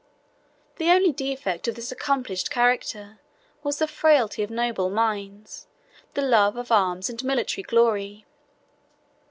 The only defect of this accomplished character was the frailty of noble minds, the love of arms and military glory.